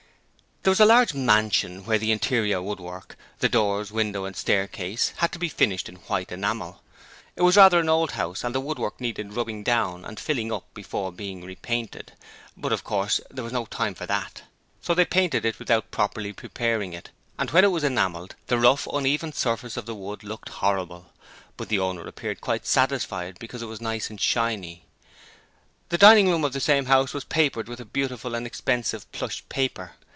There was a large mansion where the interior woodwork the doors, windows and staircase had to be finished in white enamel. It was rather an old house and the woodwork needed rubbing down and filling up before being repainted, but of course there was not time for that, so they painted it without properly preparing it and when it was enamelled the rough, uneven surface of the wood looked horrible: but the owner appeared quite satisfied because it was nice and shiny. The dining room of the same house was papered with a beautiful and expensive plush paper.